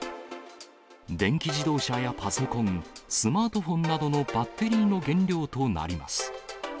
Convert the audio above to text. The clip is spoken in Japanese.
電気自動車やパソコン、スマートフォンなどのバッテリーの原料となります。